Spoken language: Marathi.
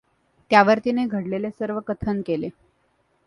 त्यावर तिने घडलेले सर्व कथन केले.